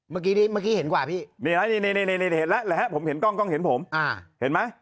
เมื่อกี้เห็นกว่าพี่เห็นแล้วผมเห็นกล้องกล้องเห็นผมเห็นมั้ย